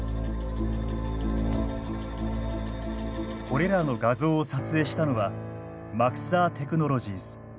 これらの画像を撮影したのはマクサー・テクノロジーズ。